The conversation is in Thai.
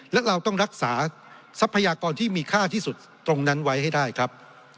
และเราต้องรักษาทรัพยากรที่มีค่าที่สุดตรงนั้นไว้ให้ได้ครับ